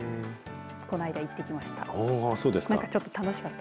この間、行ってきました。